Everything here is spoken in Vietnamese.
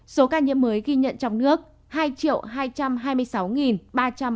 số ca nhiễm mới ghi nhận trong nước hai hai trăm hai mươi ba hai trăm tám mươi bảy ca nhiễm